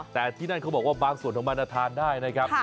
แต่ที่นั่นเขาบอกว่าบางส่วนของมันทานได้นะครับ